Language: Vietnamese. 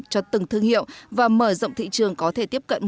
cho từng thương hiệu và mở rộng thị trường có thể tiếp cận